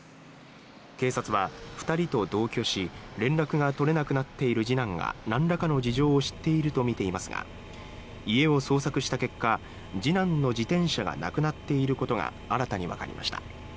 警察は、２人と同居し連絡が取れなくなっている次男がなんらかの事情を知っているとみていますが家を捜索した結果次男の自転車がなくなっていることが新たにわかりました。